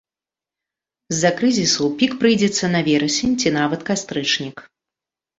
З-за крызісу пік прыйдзецца на верасень ці нават кастрычнік.